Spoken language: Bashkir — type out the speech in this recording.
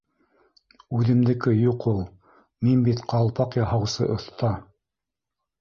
— Үҙемдеке юҡ ул, мин бит Ҡалпаҡ Яһаусы Оҫта.